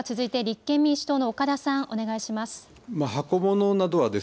では続いて立憲民主党の岡田さん、お願いします。